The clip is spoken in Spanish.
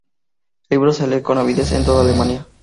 El libro se lee con avidez en toda Alemania.